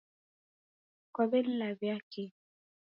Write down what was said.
Kwawenilawia kii??